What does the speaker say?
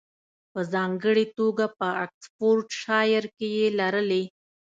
په ځانګړې توګه په اکسفورډشایر کې یې لرلې